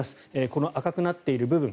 この赤くなっている部分